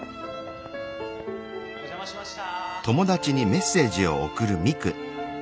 ・お邪魔しました。